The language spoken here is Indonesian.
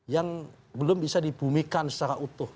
yang belum bisa dibumikan secara utuh